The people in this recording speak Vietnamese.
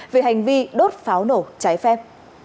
về hành vi đốt pháo nổ trái phép